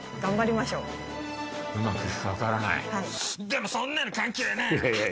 でもそんなの関係ねえ！